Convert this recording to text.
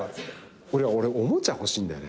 俺おもちゃ欲しいんだよね。